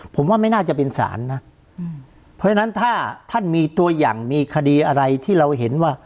ผมว่าไม่น่าจะเป็นศาลนะเพราะฉะนั้นถ้าท่านมีตัวอย่างมีคดีอะไรที่เราเห็นว่า